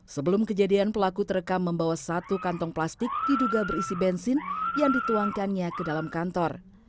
sebelum kejadian pelaku terekam membawa satu kantong plastik diduga berisi bensin yang dituangkannya ke dalam kantor